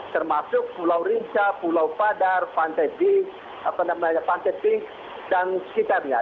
termasuk pulau rinca pulau padar pantai pink dan sekitarnya